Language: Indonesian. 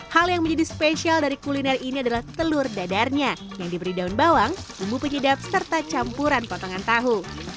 hal yang menjadi spesial dari kuliner ini adalah telur dadarnya yang diberi daun bawang bumbu penyedap serta campuran potongan tahu